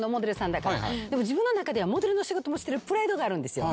でも自分の中ではモデルの仕事もしてるプライドがあるんですよ。